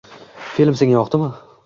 Film senga yoqdimi?